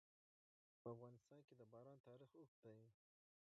په افغانستان کې د باران تاریخ اوږد دی.